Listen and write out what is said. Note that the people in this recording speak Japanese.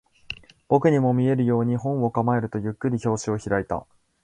僕にも見えるように、本を構えると、ゆっくり表紙を開いた